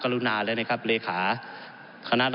การก่อสร้างเนี่ยนะครับท่านประธานครับ